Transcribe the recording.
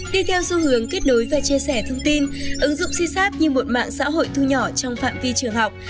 đi theo xu hướng kết nối và chia sẻ thông tin ứng dụng sysapp như một mạng xã hội thu nhỏ trong phạm vi trường học